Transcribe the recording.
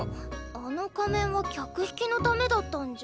あの仮面は客引きのためだったんじゃ？